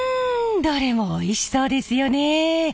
どれもおいしそうですよね。